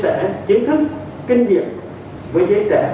có thêm nhiều động lực để viết sách